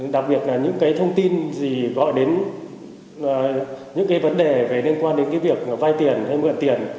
đặc biệt là những cái thông tin gì gọi đến những cái vấn đề về liên quan đến cái việc vay tiền hay mượn tiền